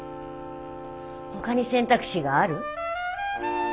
ほかに選択肢がある？